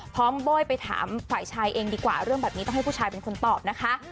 โบ้ยไปถามฝ่ายชายเองดีกว่าเรื่องแบบนี้ต้องให้ผู้ชายเป็นคนตอบนะคะ